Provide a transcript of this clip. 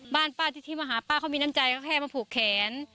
บ้านป้าที่มาหาป้าเขามีน้ำใจเขาแค่มาผูกแขน